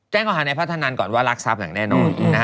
แจ้งอาหารในพัฒนานก่อนว่าลักษัพอย่างแน่นอน